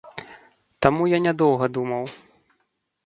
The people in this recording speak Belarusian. Таму я не доўга думаў.